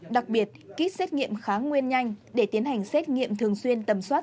đặc biệt kích xét nghiệm khá nguyên nhanh để tiến hành xét nghiệm thường xuyên tầm soát